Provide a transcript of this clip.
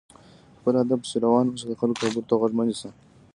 خپل هدف پسې روان اوسه، د خلکو خبرو ته غوږ مه نيسه!